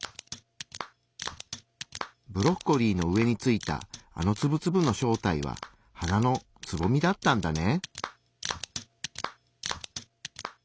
ブロッコリーの上についたあのツブツブの正体は花のつぼみだったんだね。